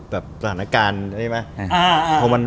แบบสถานการณ์